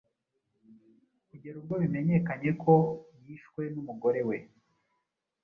kugera ubwo bimenyekanye ko yishwe n’umugore we,